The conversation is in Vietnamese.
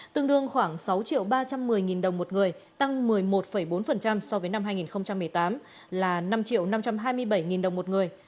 tương đương khoảng sáu ba trăm một mươi đồng một người tăng một mươi một bốn so với năm hai nghìn một mươi tám là năm năm trăm hai mươi bảy đồng một người